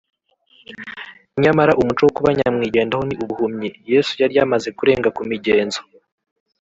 Nyamara umuco wo kuba nyamwigendaho ni ubuhumyi. Yesu yari yamaze kurenga ku migenzo